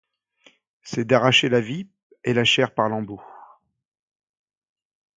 C’est d’arracher la vie et la chair par lambeaux